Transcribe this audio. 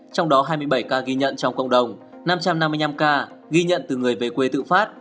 trong đó hai mươi bảy ca ghi nhận trong cộng đồng năm trăm năm mươi năm ca ghi nhận từ người về quê tự phát